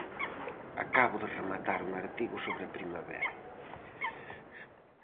-Acabo de rematar un artigo sobre a primavera.